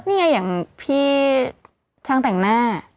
นี่ไงอย่างพี่ช่างแต่งหน้า